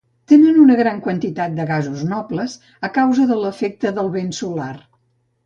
Tenen una gran quantitat de gasos nobles a causa de l'efecte del vent solar.